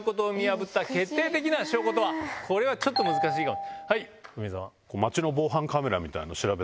これはちょっと難しいかも。